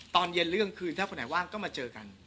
ตอนเย็นเรื่องคืนถ้าคนไหนว่างก็มาเจอกัน